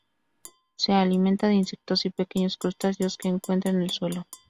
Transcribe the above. Se alimenta de insectos y pequeños crustáceos que encuentra en el suelo.